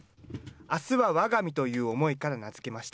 あすはわが身という思いから名付けました。